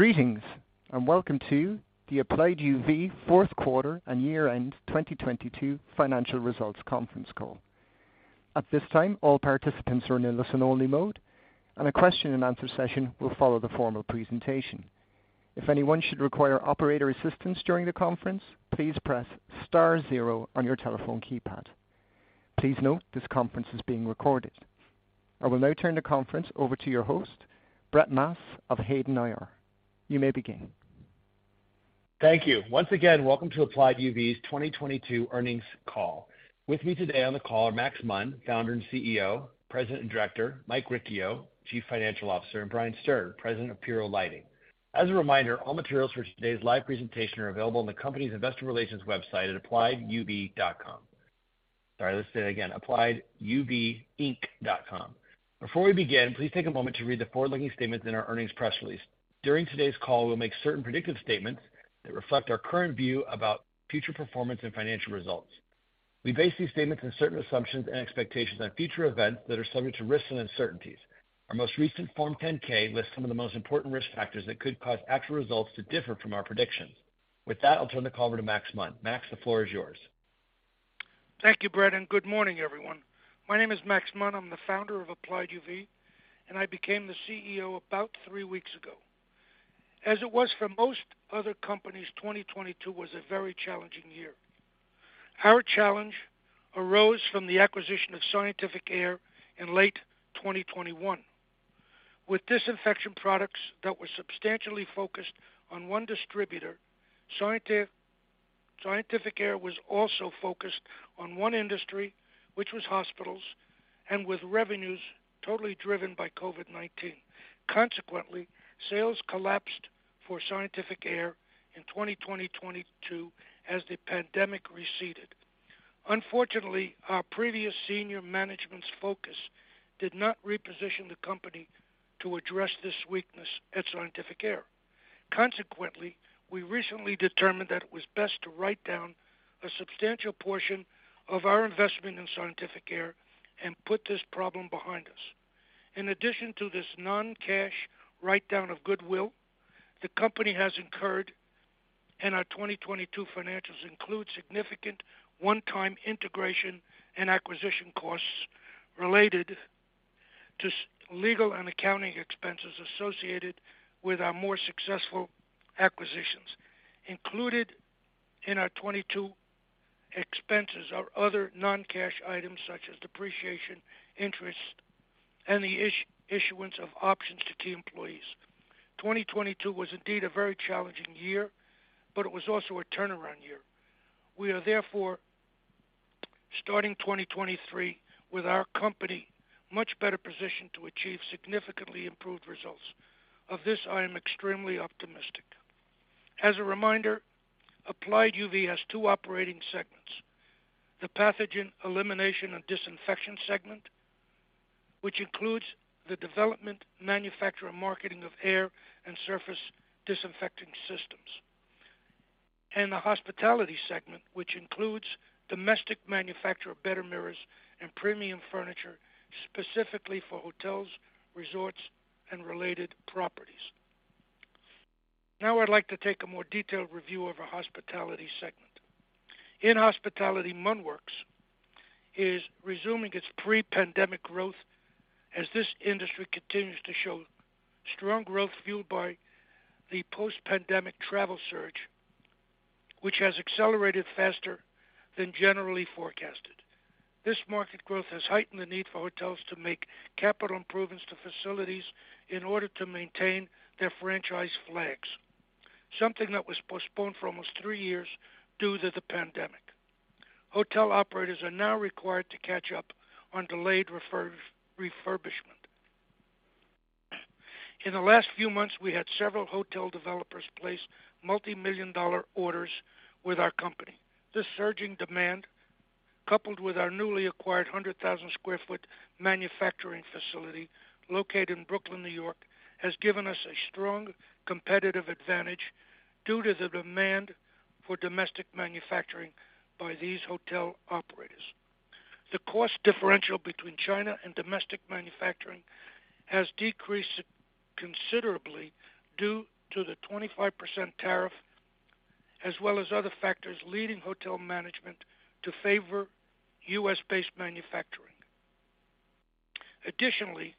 Greetings and welcome to the Applied UV fourth quarter and year-end 2022 financial results conference call. At this time, all participants are in listen only mode, and a question and answer session will follow the formal presentation. If anyone should require operator assistance during the conference, please press star zero on your telephone keypad. Please note this conference is being recorded. I will now turn the conference over to your host, Brett Maas of Hayden IR. You may begin. Thank you. Once again, welcome to Applied UV's 2022 earnings call. With me today on the call are Max Munn, Founder and CEO, President and Director, Mike Riccio, Chief Financial Officer, and Brian Stern, President of PURO Lighting. As a reminder, all materials for today's live presentation are available on the company's investor relations website at applieduv.com. Sorry, let's say it again, applieduvinc.com. Before we begin, please take a moment to read the forward-looking statements in our earnings press release. During today's call, we'll make certain predictive statements that reflect our current view about future performance and financial results. We base these statements on certain assumptions and expectations on future events that are subject to risks and uncertainties. Our most recent Form 10-K lists some of the most important risk factors that could cause actual results to differ from our predictions. With that, I'll turn the call over to Max Munn. Max, the floor is yours. Thank you, Brett. Good morning, everyone. My name is Max Munn. I'm the founder of Applied UV, and I became the CEO about three weeks ago. As it was for most other companies, 2022 was a very challenging year. Our challenge arose from the acquisition of Scientific Air in late 2021. With disinfection products that were substantially focused on one distributor, Scientific Air was also focused on one industry, which was hospitals and with revenues totally driven by COVID-19. Consequently, sales collapsed for Scientific Air in 2022 as the pandemic receded. Unfortunately, our previous senior management's focus did not reposition the company to address this weakness at Scientific Air. Consequently, we recently determined that it was best to write down a substantial portion of our investment in Scientific Air and put this problem behind us. In addition to this non-cash write-down of goodwill, the company has incurred, and our 2022 financials include significant one-time integration and acquisition costs related to legal and accounting expenses associated with our more successful acquisitions. Included in our 2022 expenses are other non-cash items such as depreciation, interest, and the issuance of options to key employees. 2022 was indeed a very challenging year, but it was also a turnaround year. We are therefore starting 2023 with our company much better positioned to achieve significantly improved results. Of this, I am extremely optimistic. As a reminder, Applied UV has two operating segments. The pathogen elimination and disinfection segment, which includes the development, manufacture, and marketing of air and surface disinfecting systems. The hospitality segment, which includes domestic manufacture of better mirrors and premium furniture, specifically for hotels, resorts, and related properties. I'd like to take a more detailed review of our hospitality segment. In hospitality, MunnWorks is resuming its pre-pandemic growth as this industry continues to show strong growth fueled by the post-pandemic travel surge, which has accelerated faster than generally forecasted. This market growth has heightened the need for hotels to make capital improvements to facilities in order to maintain their franchise flags. Something that was postponed for almost three years due to the pandemic. Hotel operators are now required to catch up on delayed refurbishment. In the last few months, we had several hotel developers place multi-million dollar orders with our company. This surging demand, coupled with our newly acquired 100,000 sq ft manufacturing facility located in Brooklyn, New York, has given us a strong competitive advantage due to the demand for domestic manufacturing by these hotel operators. The cost differential between China and domestic manufacturing has decreased considerably due to the 25% tariff as well as other factors leading hotel management to favor U.S. based manufacturing. Additionally,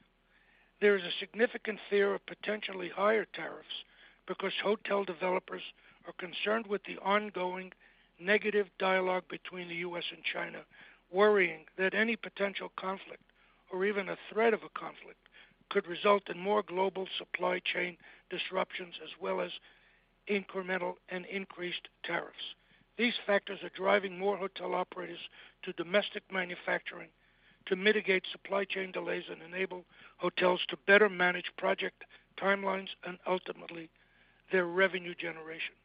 there is a significant fear of potentially higher tariffs because hotel developers are concerned with the ongoing negative dialogue between the U.S. and China, worrying that any potential conflict or even a threat of a conflict could result in more global supply chain disruptions as well as incremental and increased tariffs. These factors are driving more hotel operators to domestic manufacturing to mitigate supply chain delays and enable hotels to better manage project timelines and ultimately their revenue generation.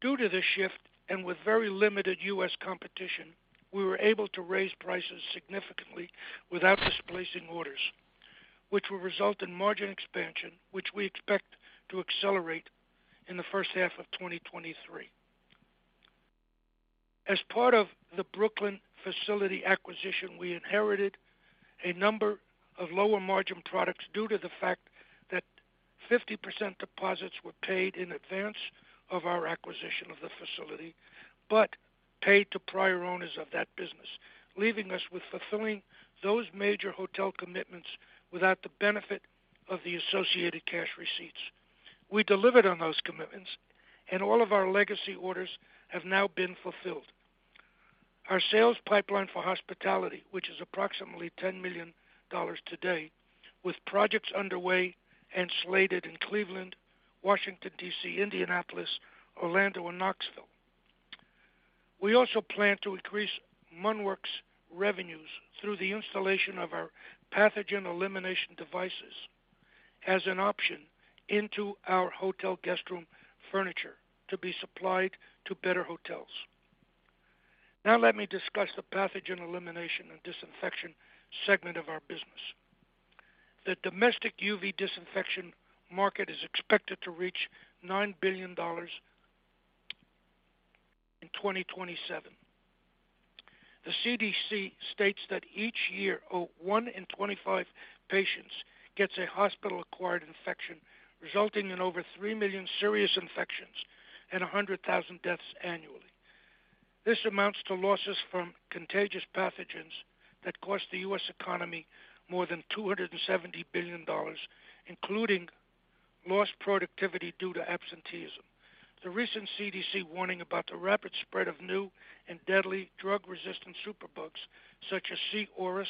Due to this shift, with very limited U.S. competition, we were able to raise prices significantly without displacing orders, which will result in margin expansion, which we expect to accelerate in the first half of 2023. Part of the Brooklyn facility acquisition, we inherited a number of lower margin products due to the fact that 50% deposits were paid in advance of our acquisition of the facility, but paid to prior owners of that business, leaving us with fulfilling those major hotel commitments without the benefit of the associated cash receipts. We delivered on those commitments, all of our legacy orders have now been fulfilled. Our sales pipeline for hospitality, which is approximately $10 million today, with projects underway and slated in Cleveland, Washington, D.C., Indianapolis, Orlando, and Knoxville. We also plan to increase MunnWorks' revenues through the installation of our pathogen elimination devices as an option into our hotel guest room furniture to be supplied to better hotels. Now let me discuss the pathogen elimination and disinfection segment of our business. The domestic UV disinfection market is expected to reach $9 billion in 2027. The CDC states that each year, one in 25 patients gets a hospital-acquired infection, resulting in over three million serious infections and 100,000 deaths annually. This amounts to losses from contagious pathogens that cost the U.S. economy more than $270 billion, including lost productivity due to absenteeism. The recent CDC warning about the rapid spread of new and deadly drug-resistant superbugs, such as C.auris,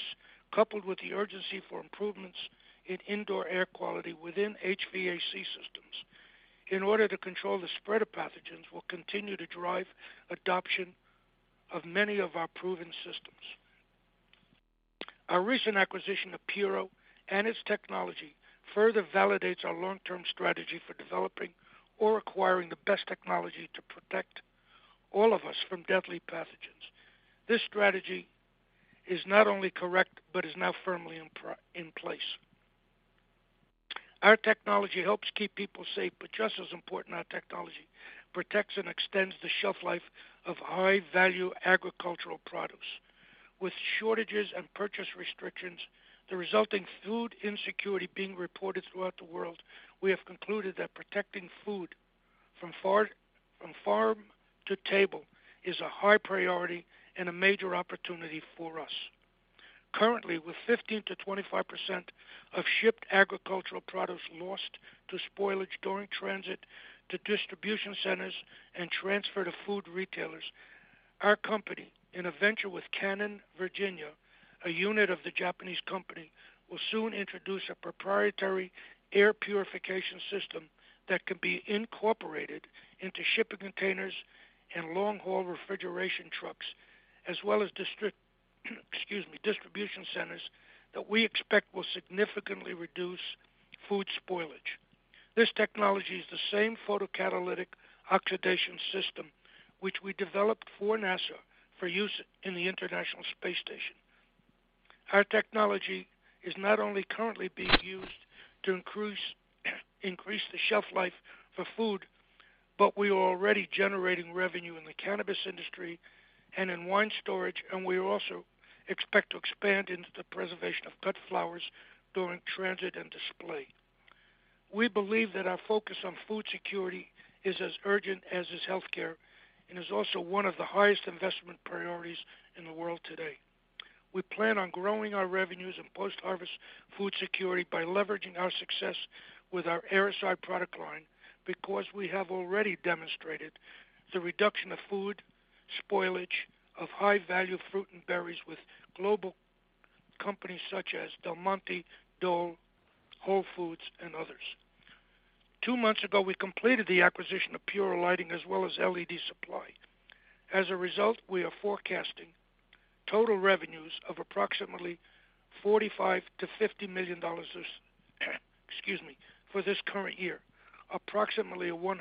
coupled with the urgency for improvements in indoor air quality within HVAC systems in order to control the spread of pathogens, will continue to drive adoption of many of our proven systems. Our recent acquisition of PURO and its technology further validates our long-term strategy for developing or acquiring the best technology to protect all of us from deadly pathogens. This strategy is not only correct but is now firmly in place. Our technology helps keep people safe, but just as important, our technology protects and extends the shelf life of high-value agricultural products. With shortages and purchase restrictions, the resulting food insecurity being reported throughout the world, we have concluded that protecting food from far, from farm to table is a high priority and a major opportunity for us. Currently, with 15%-25% of shipped agricultural products lost to spoilage during transit to distribution centers and transfer to food retailers, our company, in a venture with Canon Virginia, a unit of the Japanese company, will soon introduce a proprietary air purification system that can be incorporated into shipping containers and long-haul refrigeration trucks as well as excuse me, distribution centers that we expect will significantly reduce food spoilage. This technology is the same photocatalytic oxidation system which we developed for NASA for use in the International Space Station. Our technology is not only currently being used to increase the shelf life for food, but we are already generating revenue in the cannabis industry and in wine storage, and we also expect to expand into the preservation of cut flowers during transit and display. We believe that our focus on food security is as urgent as is healthcare and is also one of the highest investment priorities in the world today. We plan on growing our revenues in post-harvest food security by leveraging our success with our Airocide product line because we have already demonstrated the reduction of food spoilage of high-value fruit and berries with global companies such as Del Monte, Dole, Whole Foods, and others. Two months ago, we completed the acquisition of PURO Lighting as well as LED Supply. As a result, we are forecasting total revenues of approximately $45 million-$50 million for this current year, approximately a 100%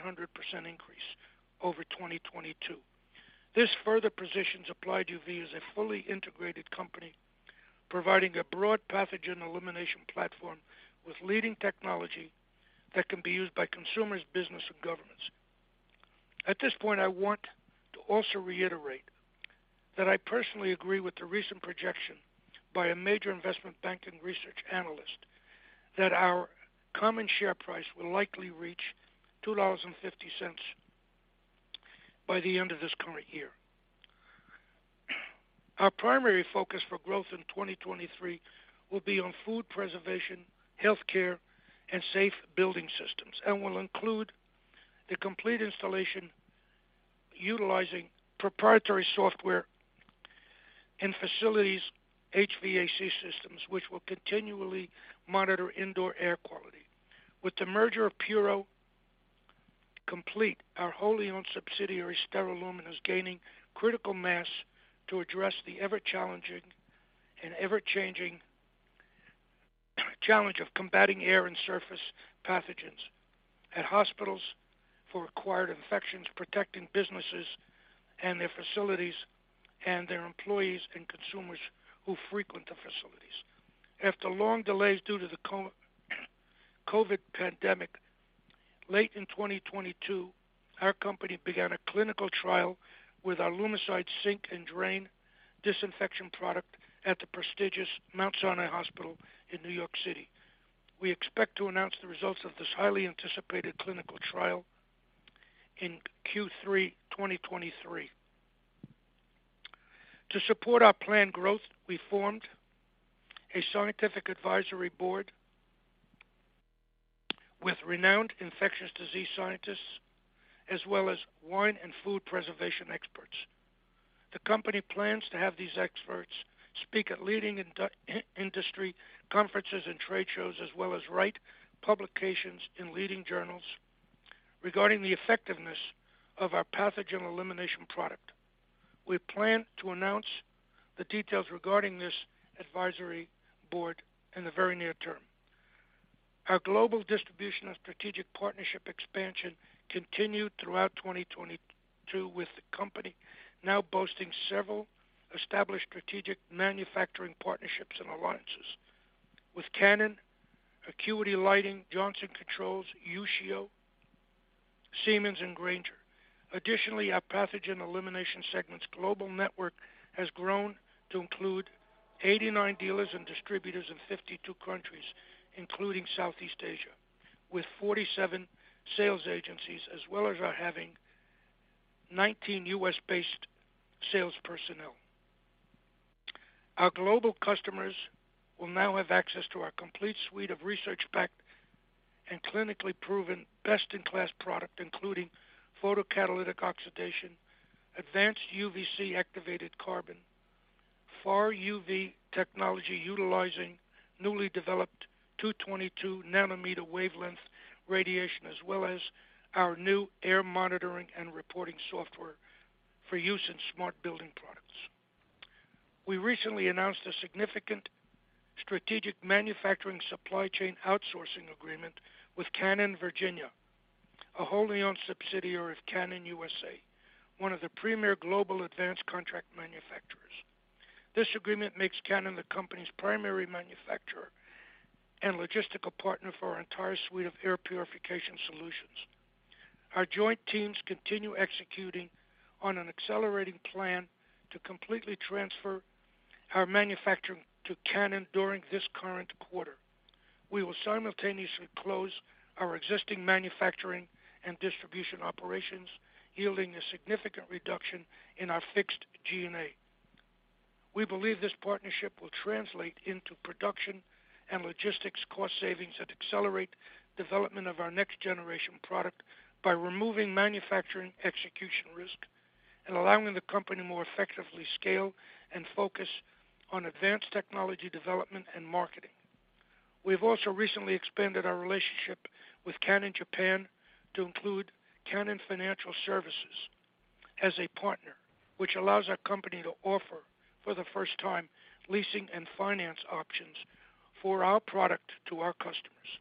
increase over 2022. This further positions Applied UV as a fully integrated company, providing a broad pathogen elimination platform with leading technology that can be used by consumers, business, and governments. At this point, I want to also reiterate that I personally agree with the recent projection by a major investment bank and research analyst that our common share price will likely reach $2.50 by the end of this current year. Our primary focus for growth in 2023 will be on food preservation, healthcare, and safe building systems and will include the complete installation utilizing proprietary software in facilities' HVAC systems, which will continually monitor indoor air quality. With the merger of PURO complete, our wholly owned subsidiary, Sterilumen, is gaining critical mass to address the ever-challenging and ever-changing challenge of combating air and surface pathogens at hospitals for acquired infections, protecting businesses and their facilities and their employees and consumers who frequent the facilities. After long delays due to the COVID pandemic, late in 2022, our company began a clinical trial with our LumiCide Sink and Drain disinfection product at the prestigious Mount Sinai Hospital in New York City. We expect to announce the results of this highly anticipated clinical trial in Q3 2023. To support our planned growth, we formed a scientific advisory board with renowned infectious disease scientists as well as wine and food preservation experts. The company plans to have these experts speak at leading industry conferences and trade shows, as well as write publications in leading journals regarding the effectiveness of our pathogen elimination product. We plan to announce the details regarding this advisory board in the very near term. Our global distribution of strategic partnership expansion continued throughout 2022, with the company now boasting several established strategic manufacturing partnerships and alliances with Canon, Acuity Lighting, Johnson Controls, USHIO, Siemens and Grainger. Our pathogen elimination segment's global network has grown to include 89 dealers and distributors in 52 countries, including Southeast Asia, with 47 sales agencies as well as our having 19 U.S.-based sales personnel. Our global customers will now have access to our complete suite of research-backed and clinically proven best-in-class product, including photocatalytic oxidation, advanced UV-C activated carbon, Far UV technology utilizing newly developed 222 nm wavelength radiation, as well as our new air monitoring and reporting software for use in smart building products. We recently announced a significant strategic manufacturing supply chain outsourcing agreement with Canon Virginia, a wholly owned subsidiary of Canon U.S.A., one of the premier global advanced contract manufacturers. This agreement makes Canon the company's primary manufacturer and logistical partner for our entire suite of air purification solutions. Our joint teams continue executing on an accelerating plan to completely transfer our manufacturing to Canon during this current quarter. We will simultaneously close our existing manufacturing and distribution operations, yielding a significant reduction in our fixed G&A. We believe this partnership will translate into production and logistics cost savings that accelerate development of our next generation product by removing manufacturing execution risk and allowing the company to more effectively scale and focus on advanced technology development and marketing. We've also recently expanded our relationship with Canon Japan to include Canon Financial Services as a partner, which allows our company to offer, for the first time, leasing and finance options for our product to our customers.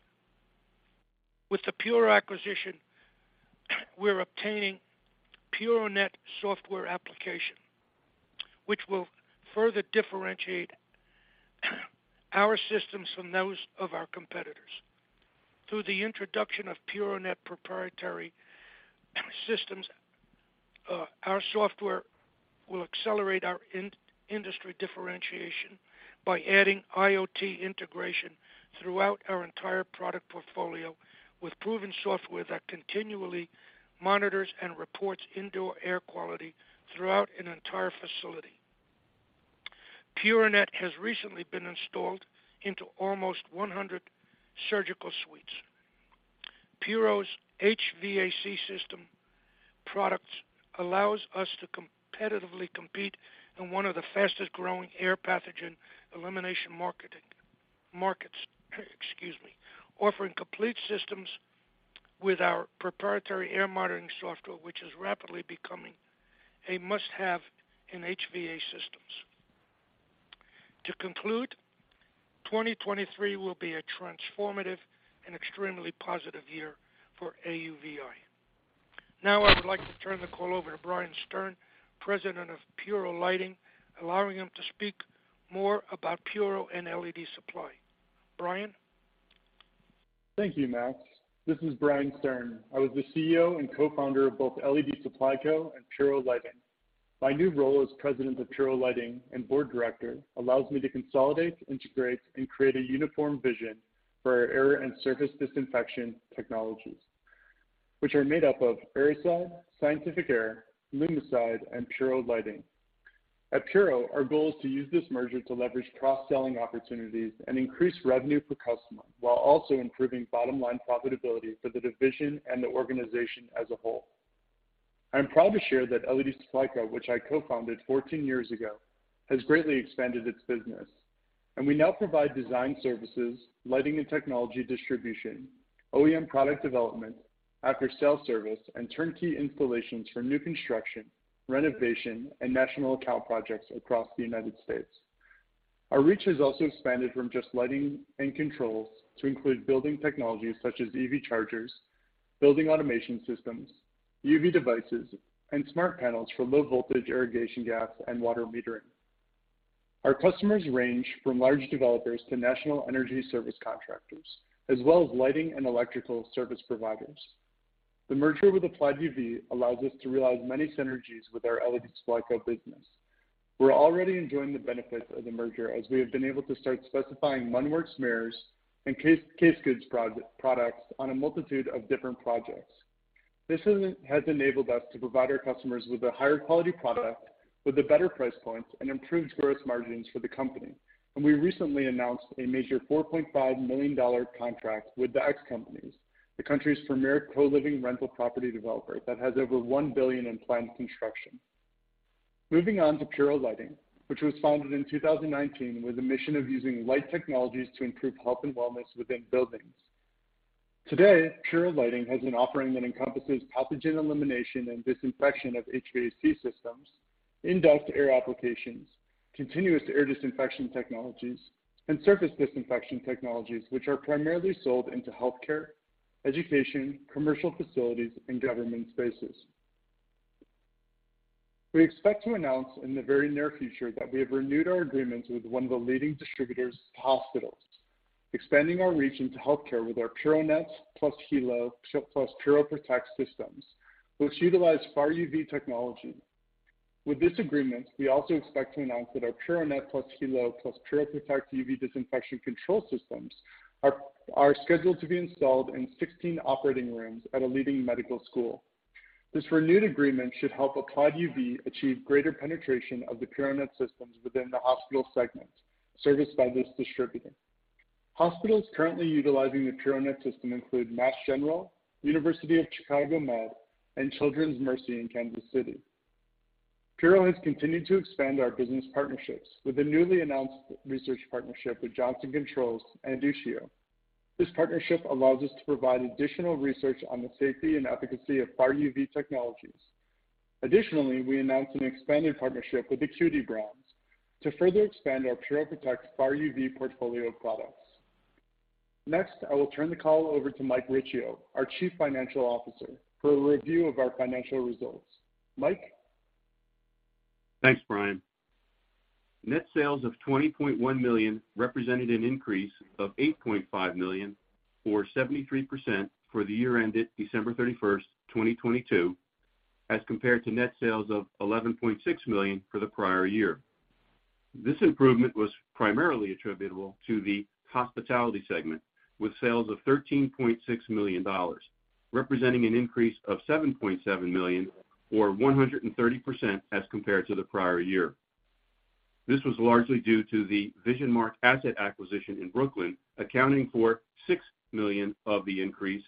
With the PURO acquisition, we're obtaining PURONet software application, which will further differentiate our systems from those of our competitors. Through the introduction of PURONet proprietary systems, our software will accelerate our industry differentiation by adding IoT integration throughout our entire product portfolio with proven software that continually monitors and reports indoor air quality throughout an entire facility. PURONet has recently been installed into almost 100 surgical suites. PURO's HVAC system products allows us to competitively compete in one of the fastest growing air pathogen elimination markets, offering complete systems with our proprietary air monitoring software, which is rapidly becoming a must-have in HVAC systems. To conclude, 2023 will be a transformative and extremely positive year for AUVI. I would like to turn the call over to Brian Stern, President of PURO Lighting, allowing him to speak more about PURO and LED Supply. Brian? Thank you, Max. This is Brian Stern. I was the CEO and Co-founder of both LED Supply Co and PURO Lighting. My new role as President of PURO Lighting and Board Director allows me to consolidate, integrate, and create a uniform vision for our air and surface disinfection technologies, which are made up of Airocide, Scientific Air, LumiCide, and PURO Lighting. At PURO, our goal is to use this merger to leverage cross-selling opportunities and increase revenue per customer while also improving bottom line profitability for the division and the organization as a whole. I'm proud to share that LED Supply Co, which I co-founded 14 years ago, has greatly expanded its business, and we now provide design services, lighting and technology distribution, OEM product development, after-sale service and turnkey installations for new construction, renovation, and national account projects across the United States. Our reach has also expanded from just lighting and controls to include building technologies such as EV chargers, building automation systems, UV devices, and smart panels for low voltage irrigation gas and water metering. Our customers range from large developers to national energy service contractors, as well as lighting and electrical service providers. The merger with Applied UV allows us to realize many synergies with our LED Supply Co business. We're already enjoying the benefits of the merger as we have been able to start specifying MunnWorks mirrors and case goods products on a multitude of different projects. This has enabled us to provide our customers with a higher quality product, with a better price point, and improved gross margins for the company. We recently announced a major $4.5 million contract with the X companies, the country's premier co-living rental property developer that has over $1 billion in planned construction. Moving on to PURO Lighting, which was founded in 2019 with a mission of using light technologies to improve health and wellness within buildings. Today, PURO Lighting has an offering that encompasses pathogen elimination and disinfection of HVAC systems, in-duct air applications, continuous air disinfection technologies, and surface disinfection technologies, which are primarily sold into healthcare, education, commercial facilities, and government spaces. We expect to announce in the very near future that we have renewed our agreements with one of the leading distributors to hospitals, expanding our reach into healthcare with our PURONet plus Helo plus PUROProtect systems, which utilize Far UV technology. With this agreement, we also expect to announce that our PURONet plus Helo plus PUROProtect UV disinfection control systems are scheduled to be installed in 16 operating rooms at a leading medical school. This renewed agreement should help Applied UV achieve greater penetration of the PURONet systems within the hospital segment, serviced by this distributor. Hospitals currently utilizing the PURONet system include Mass General, University of Chicago Med, and Children's Mercy in Kansas City. PURO has continued to expand our business partnerships with the newly announced research partnership with Johnson Controls and USHIO. This partnership allows us to provide additional research on the safety and efficacy of Far UV technologies. Additionally, we announced an expanded partnership with the QD Brands to further expand our PUROProtect Far UV portfolio of products. Next, I will turn the call over to Mike Riccio, our Chief Financial Officer, for a review of our financial results. Mike? Thanks, Brian. Net sales of $20.1 million represented an increase of $8.5 million, or 73%, for the year ended December 31st, 2022, as compared to net sales of $11.6 million for the prior year. This improvement was primarily attributable to the hospitality segment, with sales of $13.6 million, representing an increase of $7.7 million, or 130% as compared to the prior year. This was largely due to the VisionMark asset acquisition in Brooklyn, accounting for $6 million of the increase,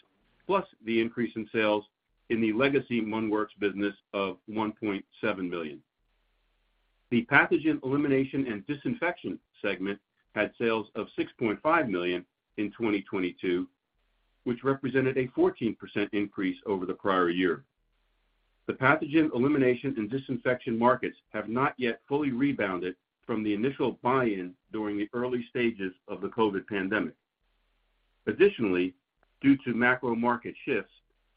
plus the increase in sales in the legacy MunnWorks business of $1.7 million. The pathogen elimination and disinfection segment had sales of $6.5 million in 2022, which represented a 14% increase over the prior year. The pathogen elimination and disinfection markets have not yet fully rebounded from the initial buy-in during the early stages of the COVID pandemic. Due to macro market shifts,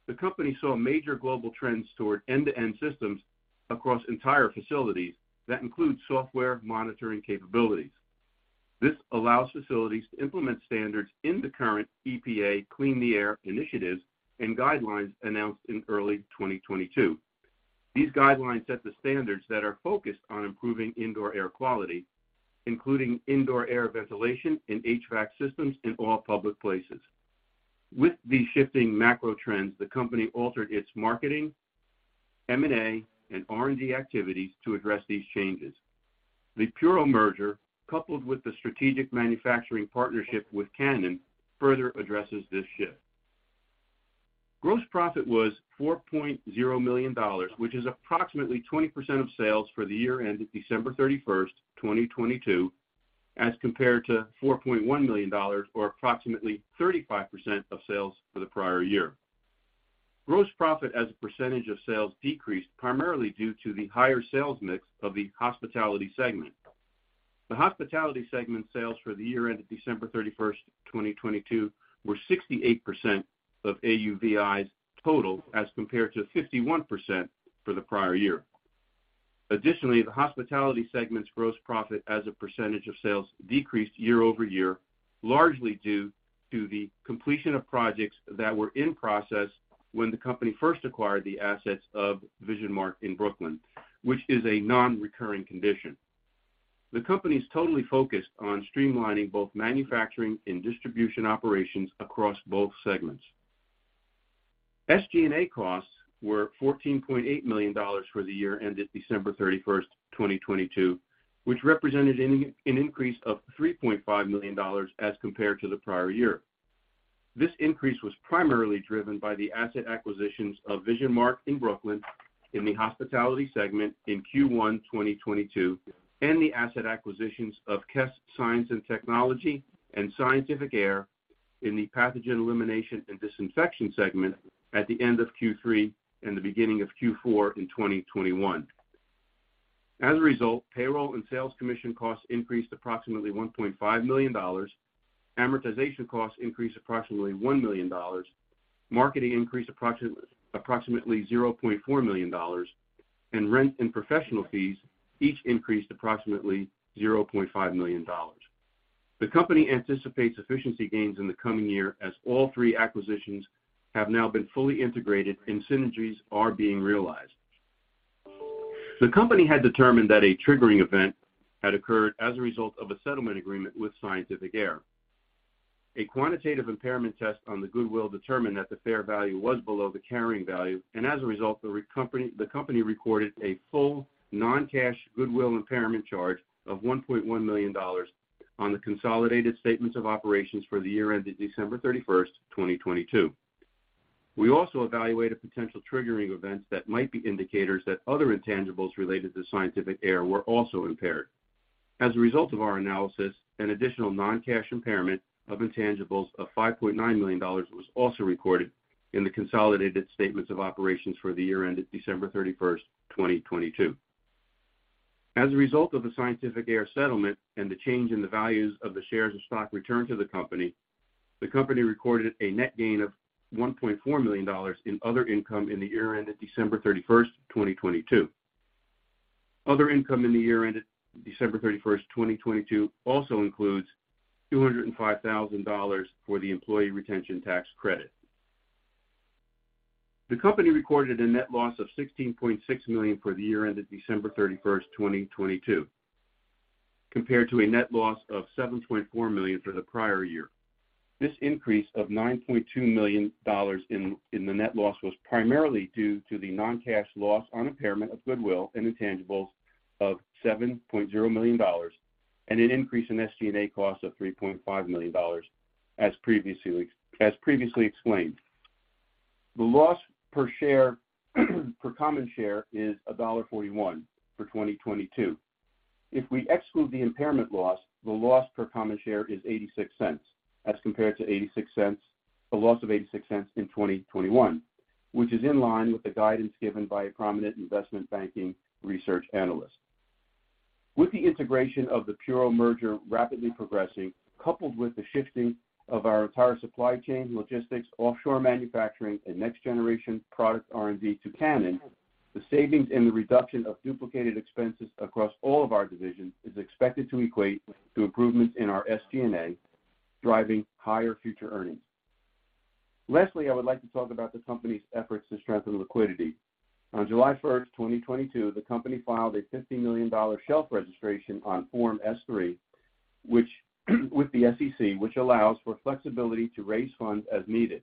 the company saw major global trends toward end-to-end systems across entire facilities that include software monitoring capabilities. This allows facilities to implement standards in the current EPA Clean the Air initiatives and guidelines announced in early 2022. These guidelines set the standards that are focused on improving indoor air quality, including indoor air ventilation and HVAC systems in all public places. With the shifting macro trends, the company altered its marketing, M&A, and R&D activities to address these changes. The PURO merger, coupled with the strategic manufacturing partnership with Canon, further addresses this shift. Gross profit was $4.0 million, which is approximately 20% of sales for the year ended December 31st, 2022, as compared to $4.1 million, or approximately 35% of sales for the prior year. Gross profit as a percentage of sales decreased primarily due to the higher sales mix of the hospitality segment. The hospitality segment sales for the year ended December 31st, 2022 were 68% of AUVI's total, as compared to 51% for the prior year. The hospitality segment's gross profit as a percentage of sales decreased year-over-year, largely due to the completion of projects that were in process when the company first acquired the assets of VisionMark in Brooklyn, which is a non-recurring condition. The company's totally focused on streamlining both manufacturing and distribution operations across both segments. SG&A costs were $14.8 million for the year ended December 31st, 2022, which represented an increase of $3.5 million as compared to the prior year. This increase was primarily driven by the asset acquisitions of VisionMark in Brooklyn in the hospitality segment in Q1 2022, and the asset acquisitions of Kess Science and Technology and Scientific Air in the pathogen elimination and disinfection segment at the end of Q3 and the beginning of Q4 in 2021. As a result, payroll and sales commission costs increased approximately $1.5 million. Amortization costs increased approximately $1 million. Marketing increased approximately $0.4 million, and rent and professional fees each increased approximately $0.5 million. The company anticipates efficiency gains in the coming year as all three acquisitions have now been fully integrated, and synergies are being realized. The company had determined that a triggering event had occurred as a result of a settlement agreement with Scientific Air. A quantitative impairment test on the goodwill determined that the fair value was below the carrying value, and as a result, the company recorded a full non-cash goodwill impairment charge of $1.1 million on the consolidated statements of operations for the year ended December 31st, 2022. We also evaluated potential triggering events that might be indicators that other intangibles related to Scientific Air were also impaired. As a result of our analysis, an additional non-cash impairment of intangibles of $5.9 million was also recorded in the consolidated statements of operations for the year ended December 31st, 2022. As a result of the Scientific Air settlement and the change in the values of the shares of stock returned to the company, the company recorded a net gain of $1.4 million in other income in the year ended December 31st, 2022. Other income in the year ended December 31st, 2022, also includes $205,000 for the employee retention tax credit. The company recorded a net loss of $16.6 million for the year ended December 31st, 2022, compared to a net loss of $7.4 million for the prior year. This increase of $9.2 million in the net loss was primarily due to the non-cash loss on impairment of goodwill and intangibles of $7.0 million, and an increase in SG&A costs of $3.5 million as previously explained. The loss per share, per common share is $1.41 for 2022. If we exclude the impairment loss, the loss per common share is $0.86 as compared to a loss of $0.86 in 2021, which is in line with the guidance given by a prominent investment banking research analyst. With the integration of the PURO merger rapidly progressing, coupled with the shifting of our entire supply chain, logistics, offshore manufacturing, and next generation product R&D to Canon, the savings and the reduction of duplicated expenses across all of our divisions is expected to equate to improvements in our SG&A, driving higher future earnings. Lastly, I would like to talk about the company's efforts to strengthen liquidity. On July 1st, 2022, the company filed a $50 million shelf registration on Form S-3, which, with the SEC, which allows for flexibility to raise funds as needed.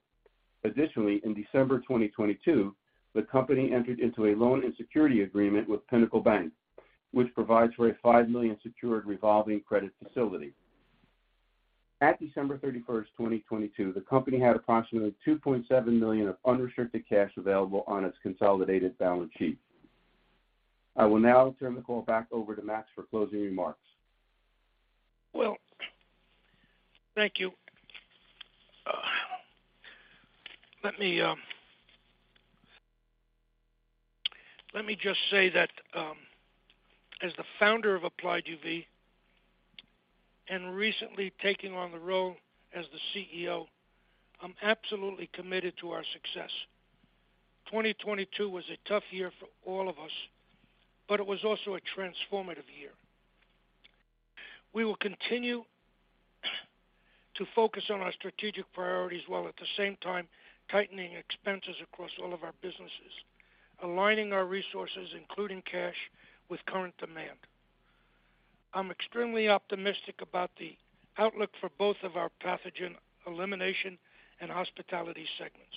Additionally, in December 2022, the company entered into a loan and security agreement with Pinnacle Bank, which provides for a $5 million secured revolving credit facility. At December 31st, 2022, the company had approximately $2.7 million of unrestricted cash available on its consolidated balance sheet.I will now turn the call back over to Max for closing remarks. Well, thank you. Let me just say that as the Founder of Applied UV and recently taking on the role as the CEO, I'm absolutely committed to our success. 2022 was a tough year for all of us, it was also a transformative year. We will continue to focus on our strategic priorities while at the same time tightening expenses across all of our businesses, aligning our resources, including cash, with current demand. I'm extremely optimistic about the outlook for both of our pathogen elimination and hospitality segments.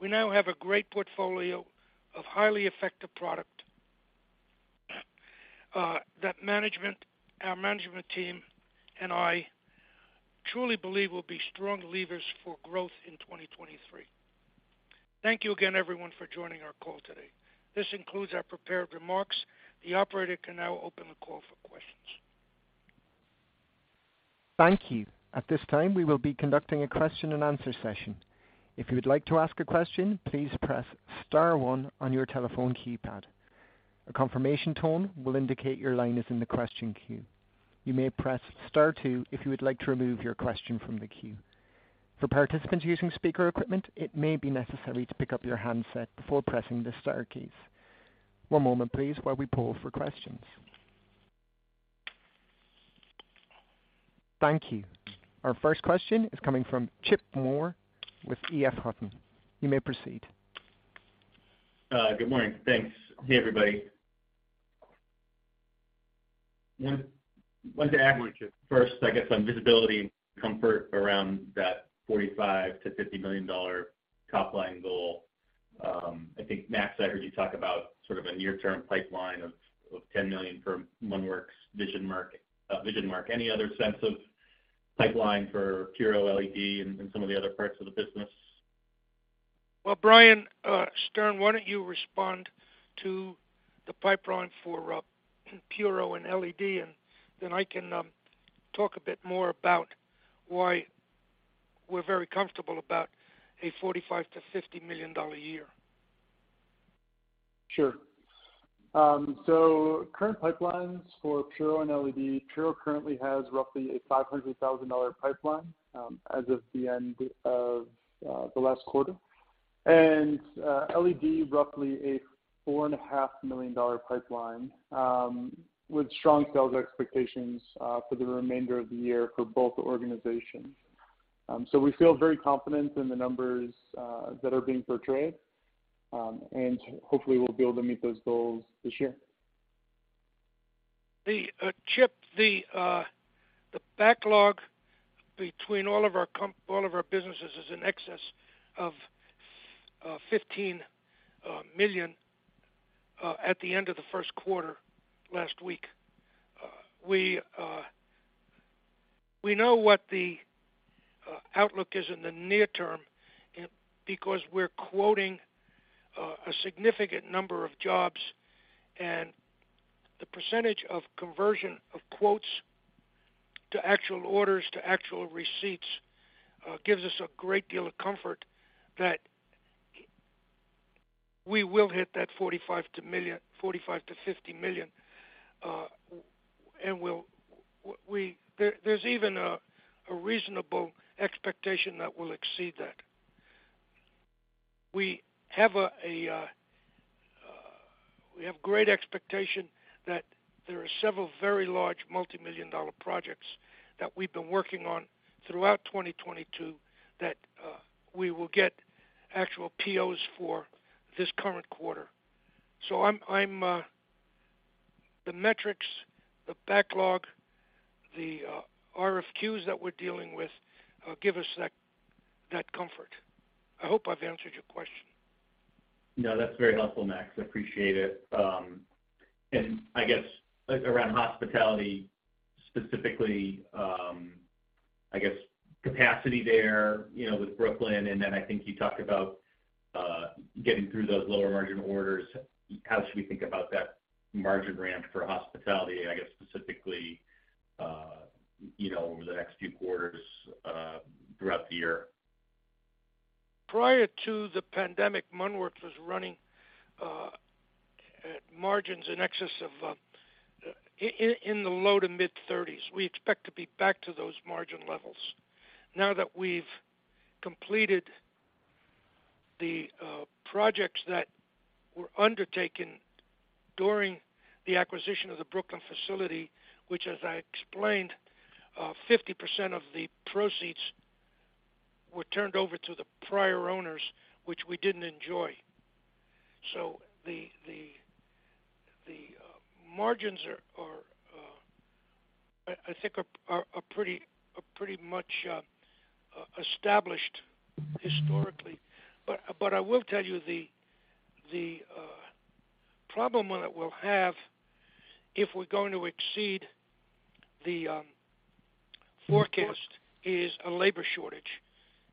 We now have a great portfolio of highly effective product that management, our management team and I truly believe will be strong levers for growth in 2023. Thank you again, everyone, for joining our call today. This concludes our prepared remarks. The operator can now open the call for questions. Thank you. At this time, we will be conducting a question and answer session. If you would like to ask a question, please press star one on your telephone keypad. A confirmation tone will indicate your line is in the question queue. You may press star two if you would like to remove your question from the queue. For participants using speaker equipment, it may be necessary to pick up your handset before pressing the star keys. One moment please while we poll for questions. Thank you. Our first question is coming from Chip Moore with EF Hutton. You may proceed. Good morning. Thanks. Hey, everybody. Wanted to ask first, I guess, on visibility and comfort around that $45 million-$50 million top-line goal. I think, Max, I heard you talk about sort of a near-term pipeline of $10 million for MunnWorks, VisionMark. Any other sense of pipeline for PURO, LED and some of the other parts of the business? Well, Brian Stern, why don't you respond to the pipeline for PURO and LED, and then I can talk a bit more about why we're very comfortable about a $45 million-$50 million year. Sure. Current pipelines for PURO and LED. PURO currently has roughly a $500,000 pipeline as of the end of the last quarter. LED roughly a $4.5 million pipeline with strong sales expectations for the remainder of the year for both organizations. We feel very confident in the numbers that are being portrayed and hopefully we'll be able to meet those goals this year. Chip, the backlog between all of our businesses is in excess of $15 million at the end of the first quarter last week. We know what the outlook is in the near term because we're quoting a significant number of jobs. The percentage of conversion of quotes to actual orders, to actual receipts, gives us a great deal of comfort that we will hit that $45 million-$50 million. We'll, there's even a reasonable expectation that we'll exceed that. We have great expectation that there are several very large multimillion dollar projects that we've been working on throughout 2022 that we will get actual POs for this current quarter. I'm the metrics, the backlog, the RFQs that we're dealing with, give us that comfort. I hope I've answered your question. No, that's very helpful, Max. I appreciate it. I guess like around hospitality specifically, I guess capacity there, you know, with Brooklyn, and then I think you talked about getting through those lower margin orders. How should we think about that margin ramp for hospitality, I guess specifically, you know, over the next few quarters, throughout the year? Prior to the pandemic, MunnWorks was running at margins in excess of in the low to mid 30s. We expect to be back to those margin levels now that we've completed the projects that were undertaken during the acquisition of the Brooklyn facility, which, as I explained, 50% of the proceeds were turned over to the prior owners, which we didn't enjoy. The margins are I think are pretty much established historically. But I will tell you the problem that we'll have if we're going to exceed the forecast is a labor shortage.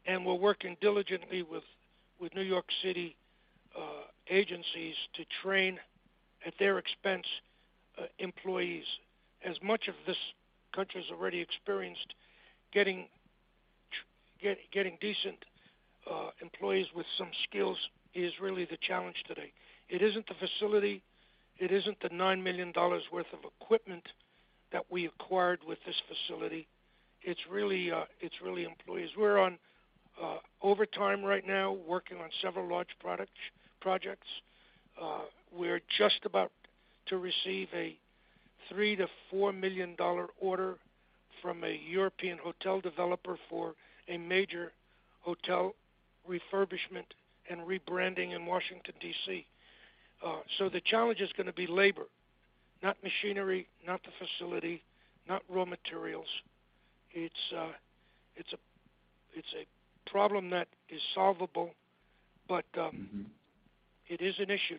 We're working diligently with New York City agencies to train, at their expense, employees. As much of this country's already experienced, getting decent employees with some skills is really the challenge today. It isn't the facility, it isn't the $9 million worth of equipment that we acquired with this facility. It's really employees. We're on overtime right now working on several large product projects. We're just about to receive a $3 million-$4 million order from a European hotel developer for a major hotel refurbishment and rebranding in Washington, D.C. The challenge is gonna be labor, not machinery, not the facility, not raw materials. It's a problem that is solvable. Mm-hmm. It is an issue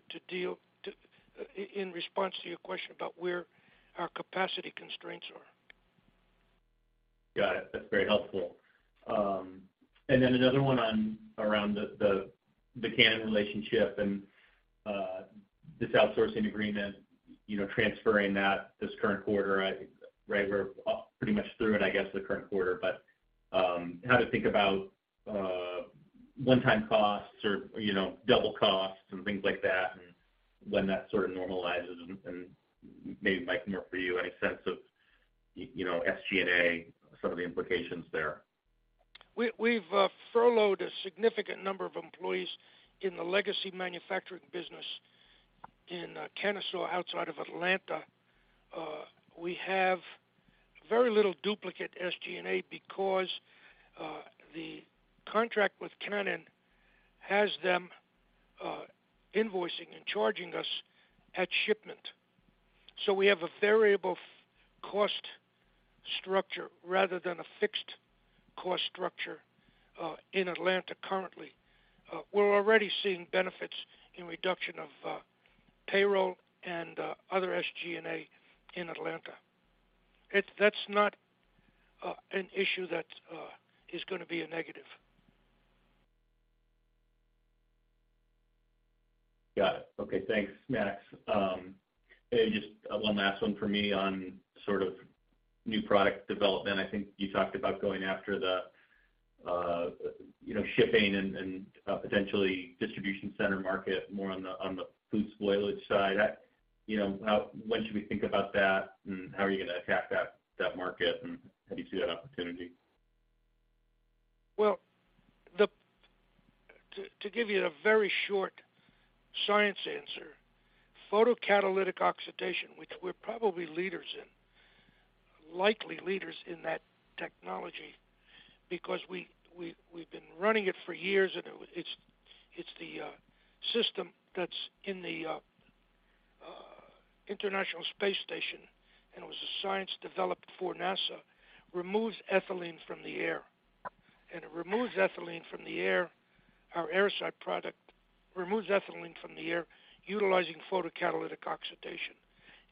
in response to your question about where our capacity constraints are. Got it. That's very helpful. Another one on around the Canon relationship and this outsourcing agreement, you know, transferring that this current quarter, we're pretty much through it, I guess, the current quarter. How to think about one-time costs or, you know, double costs and things like that, and when that sort of normalizes. Maybe it might come up for you any sense of, you know, SG&A, some of the implications there? We've furloughed a significant number of employees in the legacy manufacturing business in Kennesaw outside of Atlanta. We have very little duplicate SG&A because the contract with Canon has them invoicing and charging us at shipment. We have a variable cost structure rather than a fixed cost structure in Atlanta currently. We're already seeing benefits in reduction of payroll and other SG&A in Atlanta. That's not an issue that is gonna be a negative. Got it. Okay, thanks, Max. Just one last one for me on sort of new product development. I think you talked about going after the, you know, shipping and potentially distribution center market more on the, on the food spoilage side. That, you know, when should we think about that, and how are you gonna attack that market, and how do you see that opportunity? Well, to give you a very short science answer, photocatalytic oxidation, which we're probably leaders in, likely leaders in that technology because we've been running it for years, and it's the system that's in the International Space Station, and it was a science developed for NASA, removes ethylene from the air. It removes ethylene from the air, our Airocide product removes ethylene from the air utilizing photocatalytic oxidation.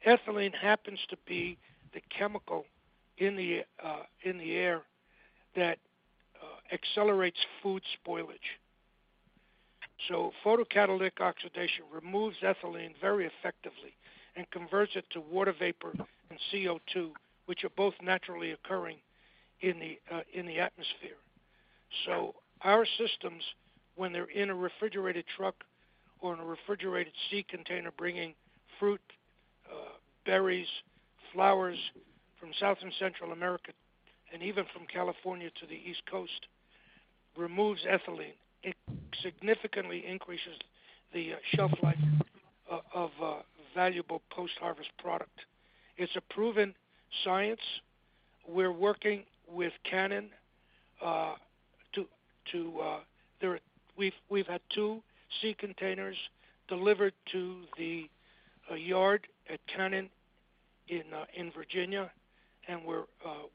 Ethylene happens to be the chemical in the air that accelerates food spoilage. Photocatalytic oxidation removes ethylene very effectively and converts it to water vapor and CO2, which are both naturally occurring in the atmosphere. Our systems, when they're in a refrigerated truck or in a refrigerated sea container bringing fruit, berries, flowers from South and Central America, and even from California to the East Coast, removes ethylene. It significantly increases the shelf life of valuable post-harvest product. It's a proven science. We're working with Canon to, we've had two sea containers delivered to the yard at Canon in Virginia, and we're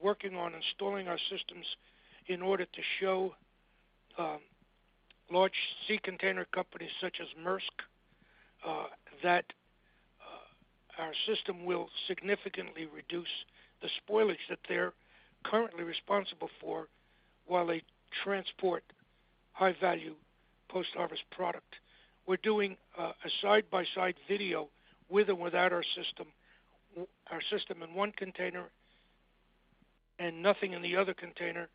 working on installing our systems in order to show large sea container companies such as Maersk that our system will significantly reduce the spoilage that they're currently responsible for while they transport high-value post-harvest product. We're doing a side-by-side video with or without our system. Our system in one container and nothing in the other container.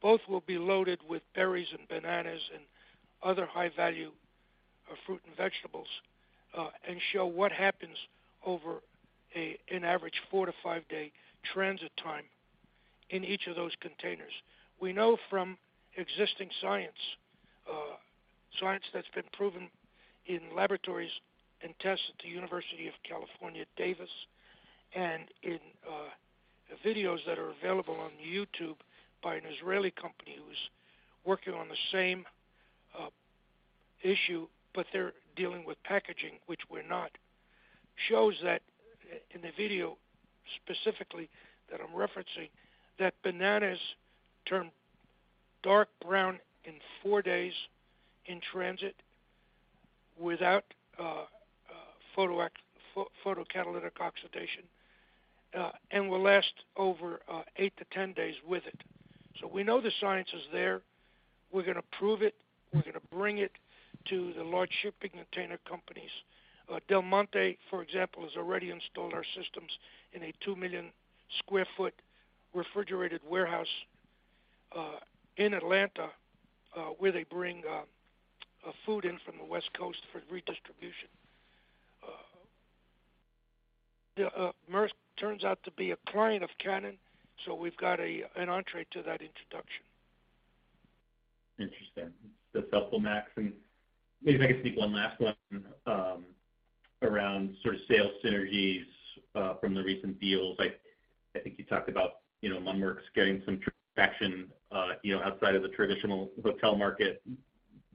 Both will be loaded with berries and bananas and other high-value fruit and vegetables and show what happens over an average four to five day transit time in each of those containers. We know from existing science that's been proven in laboratories and tests at the University of California, Davis, and in videos that are available on YouTube by an Israeli company who's working on the same issue, but they're dealing with packaging, which we're not, shows that in the video specifically that I'm referencing, that bananas turn dark brown in four days in transit without photocatalytic oxidation and will last over eight to 10 days with it. We know the science is there. We're gonna prove it. We're gonna bring it to the large shipping container companies. Del Monte, for example, has already installed our systems in a 2 million sq ft refrigerated warehouse in Atlanta, where they bring food in from the West Coast for redistribution. Maersk turns out to be a client of Canon, so we've got an entrée to that introduction. Interesting. That's helpful, Max. Maybe if I could sneak one last one, around sort of sales synergies, from the recent deals. I think you talked about, you know, MunnWorks getting some traction, you know, outside of the traditional hotel market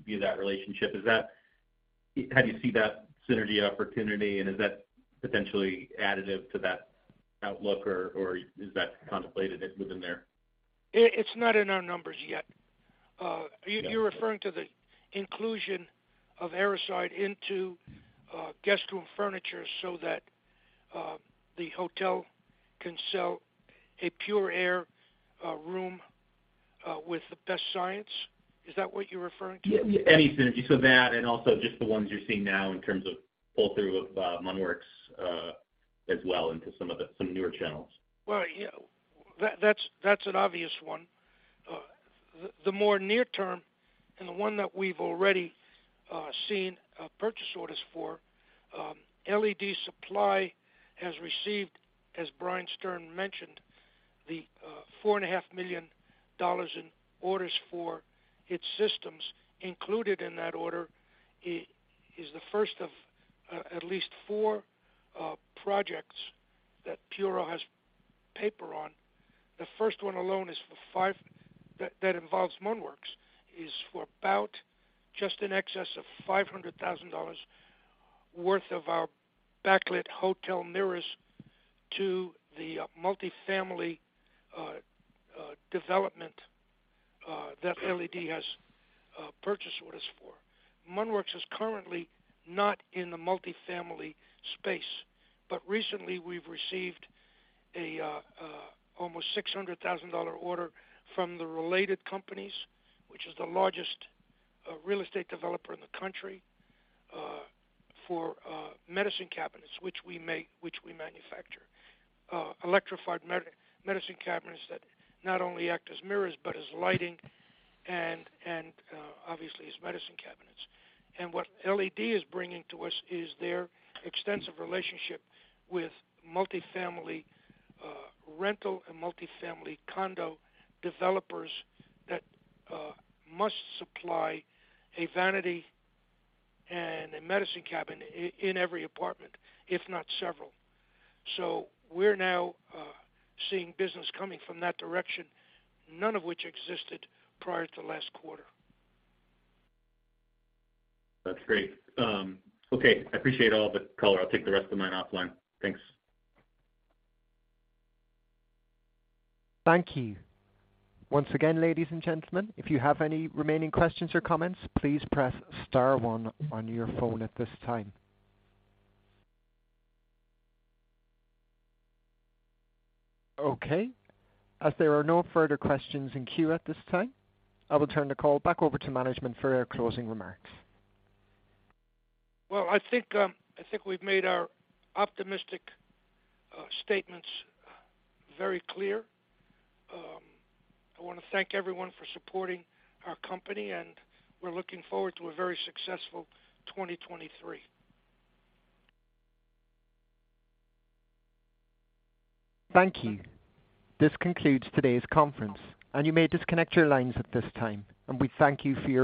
via that relationship. How do you see that synergy opportunity, and is that potentially additive to that outlook, or is that contemplated within there? It's not in our numbers yet. You're referring to the inclusion of Airocide into guest room furniture so that the hotel can sell a pure air room with the best science. Is that what you're referring to? Any synergy. That, and also just the ones you're seeing now in terms of pull-through of, MunnWorks, as well into some of the, some newer channels. Well, yeah. That's an obvious one. The more near term and the one that we've already seen purchase orders for, LED supply has received, as Brian Stern mentioned, the $4.5 million in orders for its systems. Included in that order is the first of at least four projects that PURO has paper on. That involves MunnWorks, is for about just in excess of $500,000 worth of our backlit hotel mirrors to the multifamily development that LED has purchase orders for. MunnWorks is currently not in the multifamily space, recently we've received a almost $600,000 order from Related Companies, which is the largest real estate developer in the country, for medicine cabinets, which we make, which we manufacture. Electrified medicine cabinets that not only act as mirrors, but as lighting and obviously as medicine cabinets. What LED is bringing to us is their extensive relationship with multifamily rental and multifamily condo developers that must supply a vanity and a medicine cabinet in every apartment, if not several. We're now seeing business coming from that direction, none of which existed prior to last quarter. That's great. Okay, I appreciate all the color. I'll take the rest of mine offline. Thanks. Thank you. Once again, ladies and gentlemen, if you have any remaining questions or comments, please press star one on your phone at this time. Okay. As there are no further questions in queue at this time, I will turn the call back over to management for their closing remarks. I think we've made our optimistic statements very clear. I wanna thank everyone for supporting our company, and we're looking forward to a very successful 2023. Thank you. This concludes today's conference, and you may disconnect your lines at this time. We thank y ou for your participation.